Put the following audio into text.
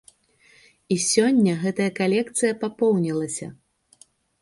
І сёння гэтая калекцыя папоўнілася.